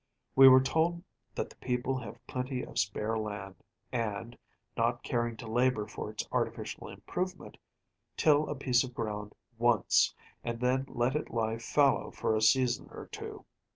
We were told that the people have plenty of spare land, and, not caring to labor for its artificial improvement, till a piece of ground once, and then let it lie fallow for a season or two.